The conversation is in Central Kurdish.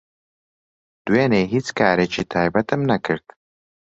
دوێنێ هیچ کارێکی تایبەتم نەکرد.